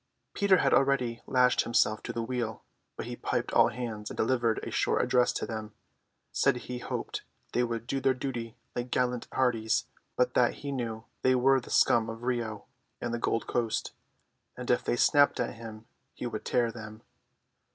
Peter had already lashed himself to the wheel; but he piped all hands and delivered a short address to them; said he hoped they would do their duty like gallant hearties, but that he knew they were the scum of Rio and the Gold Coast, and if they snapped at him he would tear them.